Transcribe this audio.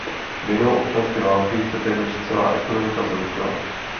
Vinou občanské války se téměř celá ekonomika zhroutila.